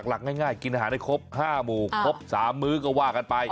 หลักง่ายกินอาหารได้ครบ๕หมู่ครบ๓มื้อก็ว่ากันไป